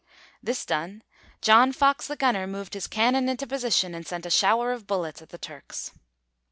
This done, John Fox the gunner moved his cannon into position and sent a shower of bullets at the Turks.